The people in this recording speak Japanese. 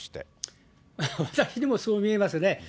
私にもそう見えますね。